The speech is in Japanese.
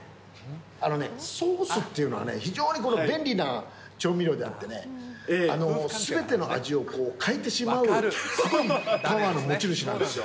あのね、ソースっていうのは、非常に便利な調味料であってね、すべての味を変えてしまう、すごいパワーの持ち主なんですよ。